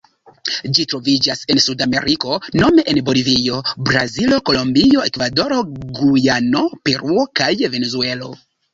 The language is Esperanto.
Ĝi troviĝas en Sudameriko nome en Bolivio, Brazilo, Kolombio, Ekvadoro, Gujano, Peruo kaj Venezuelo.